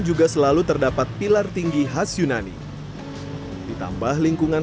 juga selalu terdapat pilar tinggi khas yunani ditambah lingkungan